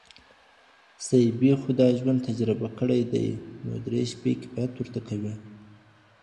ثيبې خو دا ژوند تجربه کړی دی، نو درې شپې کفايت ورته کوي.